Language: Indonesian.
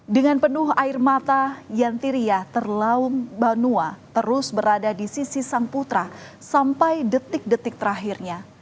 dengan penuh air mata yantiria terlaung banua terus berada di sisi sang putra sampai detik detik terakhirnya